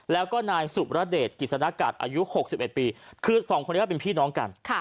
แล้วก็นายสุบระเด็ดกฤษณะกัดอายุหกสิบเอ็ดปีคือสองคนเนี้ยเป็นพี่น้องกันค่ะ